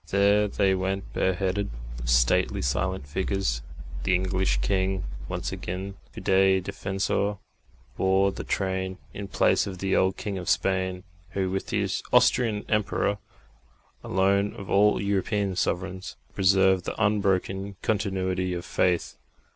There they went bareheaded, the stately silent figures. The English king, once again Fidei Defensor, bore the train in place of the old king of Spain, who, with the Austrian Emperor, alone of all European sovereigns, had preserved the unbroken continuity of faith.